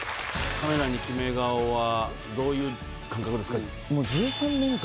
カメラにキメ顔はどういう感覚ですか？